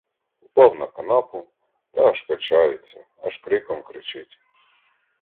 Упав на канапу, та аж качається, аж криком кричить.